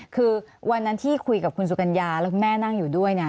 คือวันนั้นที่คุยกับคุณสุกัญญาแล้วคุณแม่นั่งอยู่ด้วยเนี่ย